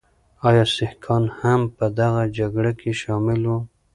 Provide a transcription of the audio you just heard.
ایا سکهان هم په دغه جګړه کې شامل وو؟